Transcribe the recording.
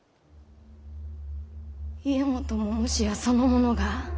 家基ももしやその者が？